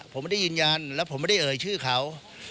ผมไม่ได้ยืนยันแล้วผมไม่ได้เอ่ยชื่อเขา